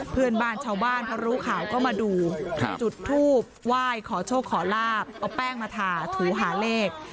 เพื่อนบ้านชาวบ้านพอรู้ข่าวก็มาดูจุดทูบไหว้ขอโชคขอลาบเอาแป้งมาทาถูหาเลข